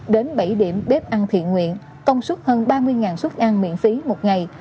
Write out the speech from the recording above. đến bảy điểm bếp ăn thiện nguyện công suất hơn ba mươi xuất ăn miễn phí một ngày